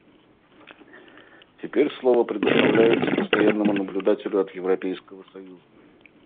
Теперь слово предоставляется Постоянному наблюдателю от Европейского союза.